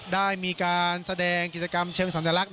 ได้มีการแสดงกิจกรรมเชิงสัญลักษณ